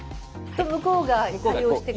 向こうが対応してくれる？